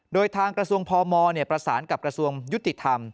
โดยทางกระทรวงพมประสานกับกระทรวงยุติธรรม